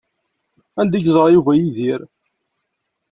Anda ay yeẓra Yuba Yidir?